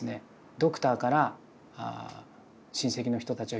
ドクターから「親戚の人たちを呼んで下さい」。